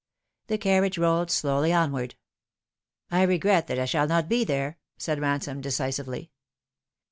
The carriage rolled slowly onward. " I regreb that I shall not be there," said Ransome de cisively.